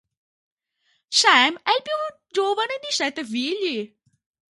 Sam è il più giovane di sette figli.